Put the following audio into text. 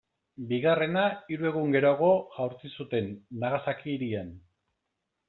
Bigarrena, hiru egun geroago jaurti zuten, Nagasaki hirian.